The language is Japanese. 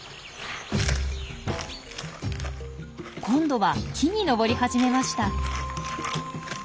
今度は木に登り始めました。